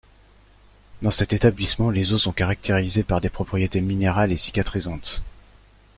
Dans cet établissement les eaux sont caractérisées par des propriétés minérales et cicatrisantes.